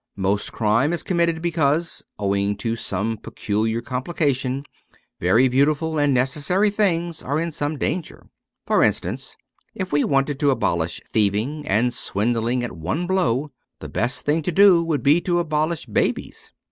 Most crime is committed because, owing to some peculiar com plication, very beautiful and necessary things are in some danger. For instance, if we wanted to abolish thieving and swindling at one blow, the best thing to do would be to abolish babies.